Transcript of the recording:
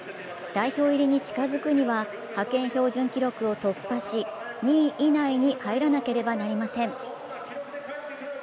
代表入りに近づくには、派遣標準記録を突破し、２位以内に入らなければなりません